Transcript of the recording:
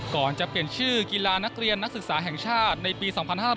ก่อนจะเปลี่ยนชื่อกีฬานักเรียนนักศึกษาแห่งชาติในปี๒๕๕๙